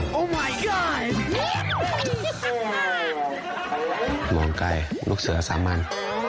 มองไกลลูกเสือสามัญ